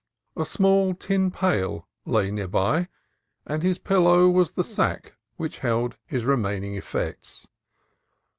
A small tin pail lay near by, and his pillow was the sack which held his re maining effects.